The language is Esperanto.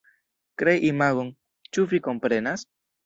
Krei imagon, ĉu vi komprenas?